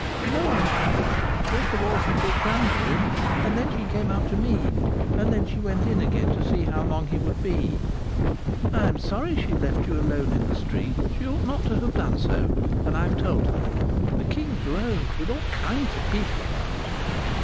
"No, mamma. First of all she took Jeannot in, and then she came out to me, and then she went in again to see how long he would be." "I'm sorry she left you alone in the street. She ought not to have done so, and I've told her.... The King's Road, with all kinds of people about!"